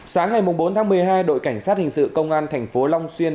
sáng ngày bốn tháng một mươi hai đội cảnh sát hình sự công an thành phố long xuyên